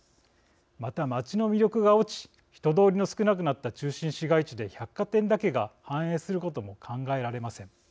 また、街の魅力が落ち人通りの少なくなった中心市街地で、百貨店だけが繁栄することも考えられません。